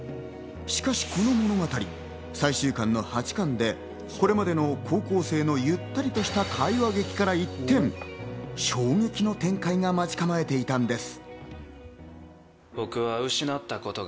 しかし、この物語、最終巻の８巻でこれまでの高校生のゆったりとした会話劇から一転、衝撃の展開が待ち構えていたのです。